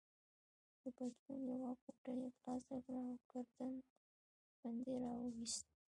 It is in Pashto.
د پتلون یوه غوټه يې خلاصه کړه او ګردن بند يې راوایست.